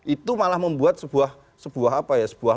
itu malah membuat sebuah